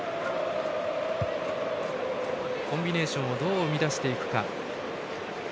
コンビネーションをどう生み出していくか。